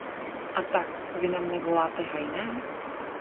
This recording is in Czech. A tak, vy na mne voláte hajné?